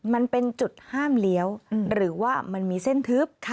มันเป็นจุดห้ามเลี้ยวหรือว่ามันมีเส้นทึบ